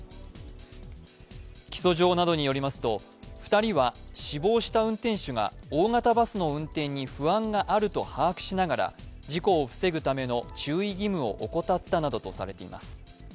起訴状などによりますと、２人は死亡した運転手が大型バスの運転に不安があると把握しながら事故を防ぐための注意義務を怠ったなどとされています。